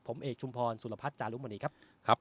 ผมเอกชุมพรสุรพัฒน์จารุมณีครับ